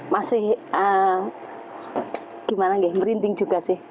mungkin masih merinding juga sih